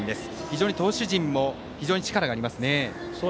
非常に投手陣も力がありますね。